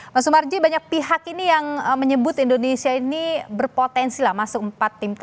mas sumarji banyak pihak ini yang menyebut indonesia ini berpotensi lah masuk empat tim